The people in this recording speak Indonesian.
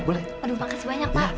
aduh makasih banyak pak